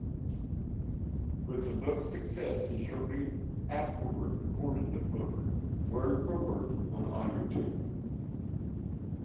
With the book's success, he shortly afterward recorded the book, word-for-word, on audio tape.